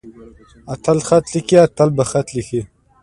اتل خط ليکي. اتل به خط وليکي.